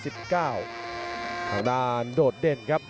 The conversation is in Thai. ทางด้านโดดเด่นครับ